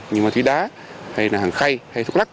như ma túy đá hay là hàng khay hay thuốc lắc